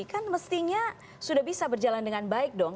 kan mestinya sudah bisa berjalan dengan baik dong